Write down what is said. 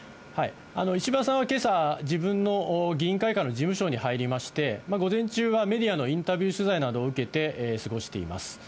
石破さんはけさ、自分の議員会館の事務所に入りまして、午前中はメディアのインタビュー取材などを受けて過ごしています。